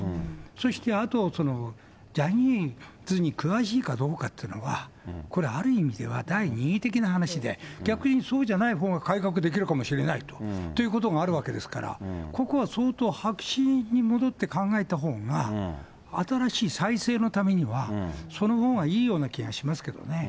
そしてあとジャニーズに詳しいかどうかってのは、これある意味では、第２位的な話で、逆にそうじゃないほうが改革できるかもしれないと。ということがあるわけですから、ここは相当白紙に戻って考えたほうが、新しい再生のためには、そのほうがいいような気がしますけどね。